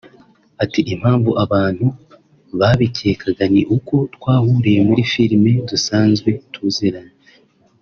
Ati ” Impamvu abantu babikekaga ni uko twahuriye muri filime dusanzwe tuziranye